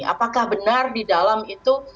apakah benar di dalam itu